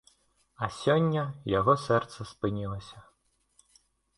А сёння яго сэрца спынілася.